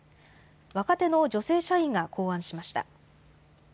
若手の女性社員が考案しました。